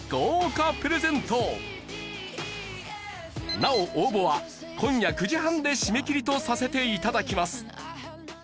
なお応募は今夜９時半で締め切りとさせて頂きます。